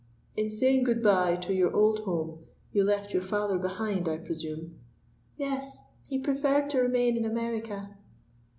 "In saying good bye to your old home, you left your father behind, I presume?" "Yes, he preferred to remain in America."